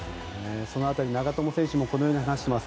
その辺り、長友選手もこのように話しています。